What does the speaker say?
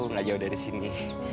nggak jauh dari sini